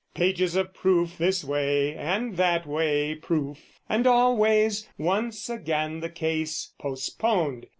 Pages of proof this way, and that way proof, And always once again the case postponed.